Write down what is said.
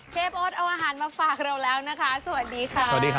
เชฟโอ๊ตเอาอาหารมาฝากเราแล้วนะคะสวัสดีค่ะ